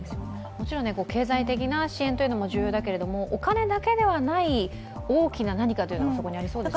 もちろん経済的な支援も大事だけれどもお金だけではない大きな何かというのがそこにありそうですね。